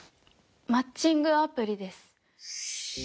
マッチングアプリです